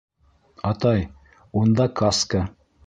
— Атай, унда каска!..